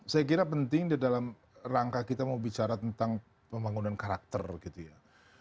saya kira penting di dalam rangka kita mau bicara tentang pembangunan karakter gitu ya